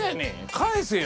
返せよ。